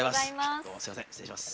どうもすいません失礼します。